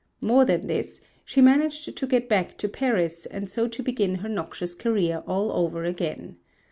More than this, she managed to get back to Paris and so to begin her noxious career all over again.